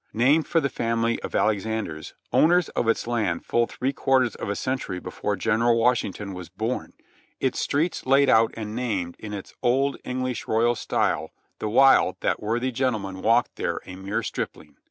Named for the family of Alexanders, owners of its land full three quarters of a century before General Washington was born ; its streets laid out and named in its old Enghsh royal style the while that worthy gentleman walked there a mere stripling.